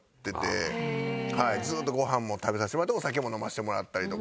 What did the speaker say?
ずっとご飯も食べさせてもらってお酒も飲ませてもらったりとか。